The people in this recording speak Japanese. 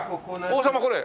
王様これ？